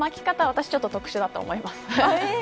私、特殊だと思います。